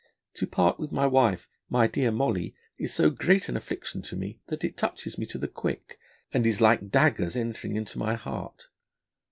... To part with my wife, my dear Molly, is so great an Affliction to me, that it touches me to the Quick, and is like Daggers entering into my Heart.'